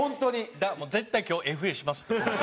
だからもう絶対今日ＦＡします。